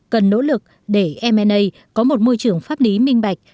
cần nỗ lực để m a có một môi trường pháp lý minh bạch